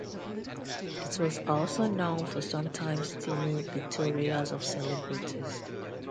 It was also known for sometimes steamy pictorials of celebrities.